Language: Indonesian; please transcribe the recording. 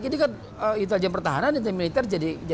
jadi kan intelijen pertahanan dan intelijen militer